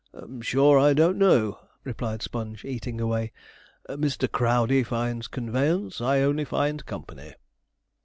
'Sure I don't know,' replied Sponge, eating away; 'Mr. Crowdey finds conveyance I only find company.'